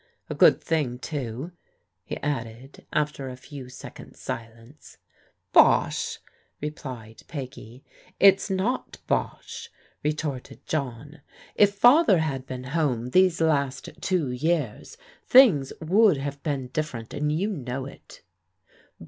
A good thing too," he added, after a few seconds' silence. " Bosh !" replied Peggy. " It's not bosh," retorted John. " If Father had been home, these last two years, things would have been dif ferent, and you know it."